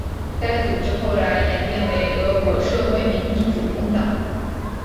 该组织后来演变为俄国社会民主工党。